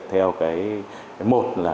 theo cái một là